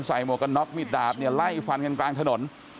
หมวกกันน็อกมิดดาบเนี่ยไล่ฟันกันกลางถนน